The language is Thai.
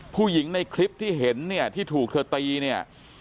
ผู้หญิงในคลิปที่เห็นที่ถูกเธอตี